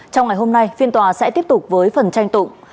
trong ngày hôm nay phiên tòa sẽ tiếp tục với phần tranh tụng